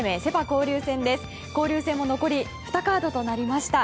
交流戦も残り２カードとなりました。